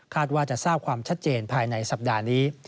ว่าจะทราบความชัดเจนภายในสัปดาห์นี้